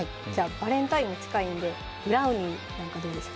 バレンタインも近いんでブラウニーなんかどうでしょう